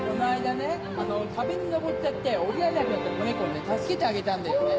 この間ね壁に登っちゃって下りられなくなった子猫をね助けてあげたんだよね。